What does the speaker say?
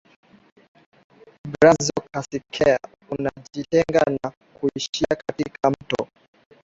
Brazo Casiquiare unajitenga na kuishia katika mto